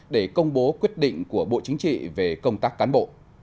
để công bố quyết định của bộ chính trị về công tác cán bộ